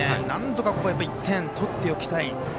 なんとか、１点取っておきたい。